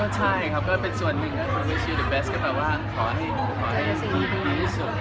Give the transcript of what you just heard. ใช่ครับด้วยเป็นส่วนแบบว่าขอให้ดีดีที่จง